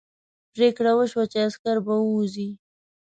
پرېکړه وشوه چې عسکر به ووځي.